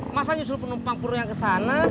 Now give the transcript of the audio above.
masa nyusul penumpang pur yang kesana